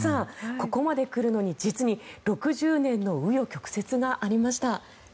ここまで来るのに実に６０年の紆余曲折がありました。